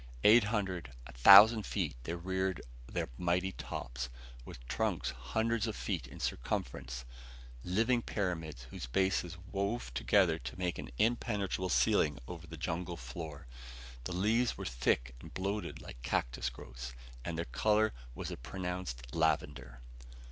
Eight hundred, a thousand feet they reared their mighty tops, with trunks hundreds of feet in circumference; living pyramids whose bases wove together to make an impenetrable ceiling over the jungle floor. The leaves were thick and bloated like cactus growths, and their color was a pronounced lavender.